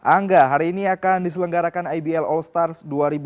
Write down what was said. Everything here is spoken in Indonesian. angga hari ini akan diselenggarakan ibl all stars dua ribu dua puluh